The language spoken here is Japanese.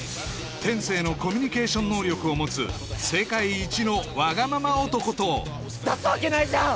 天性のコミュニケーション能力を持つ世界一のワガママ男と出すわけないじゃん！